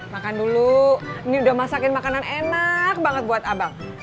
makan dulu ini udah masakin makanan enak banget buat abang